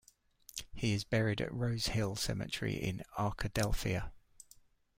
He is buried at Rose Hill Cemetery in Arkadelphia.